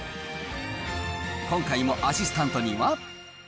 今回もアシスタントには。